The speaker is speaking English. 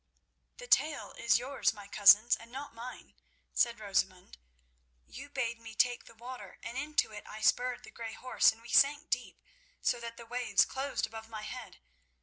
"The tale is yours, my cousins, and not mine," said Rosamund. "You bade me take the water, and into it I spurred the grey horse, and we sank deep, so that the waves closed above my head.